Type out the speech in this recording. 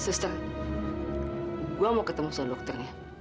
suster gue mau ketemu sama dokternya